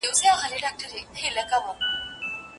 ددې ښايستې نړۍ بدرنګه خلګ